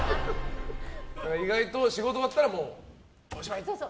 意外と仕事終わったらおしまい！っていう。